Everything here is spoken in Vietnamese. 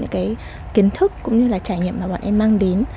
những cái kiến thức cũng như là trải nghiệm mà bọn em mang đến